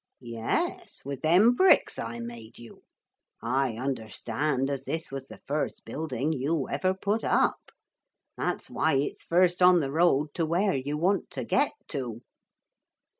'Yes, with them bricks I made you. I understand as this was the first building you ever put up. That's why it's first on the road to where you want to get to!'